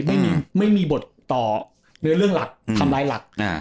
ไม่มีไม่มีบทต่อเนื้อเรื่องหลักทำลายหลัก